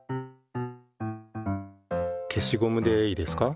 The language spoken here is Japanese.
消しゴムでいいですか。